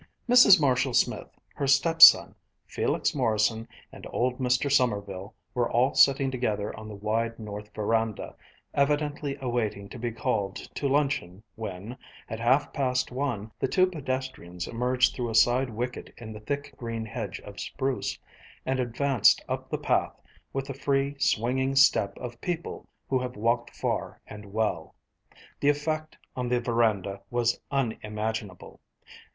Mrs. Marshall Smith, her stepson, Felix Morrison, and old Mr. Sommerville were all sitting together on the wide north veranda, evidently waiting to be called to luncheon when, at half past one, the two pedestrians emerged through a side wicket in the thick green hedge of spruce, and advanced up the path, with the free, swinging step of people who have walked far and well. The effect on the veranda was unimaginable.